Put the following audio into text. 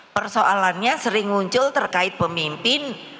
persoalannya sering muncul terkait pemimpin